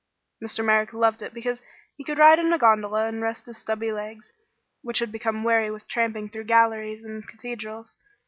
Mr. Merrick loved it because he could ride in a gondola and rest his stubby legs, which had become weary with tramping through galleries and cathedrals.